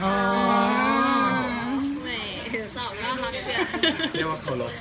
เรียกว่าขอโรศ